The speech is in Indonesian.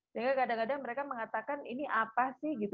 sehingga kadang kadang mereka mengatakan ini apa sih gitu